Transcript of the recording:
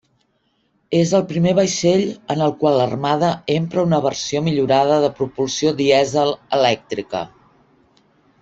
És el primer vaixell en el qual l'Armada empra una versió millorada de propulsió dièsel-elèctrica.